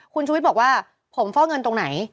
คุณชุวิตบอกว่าผมฟอกเงินตรงไหน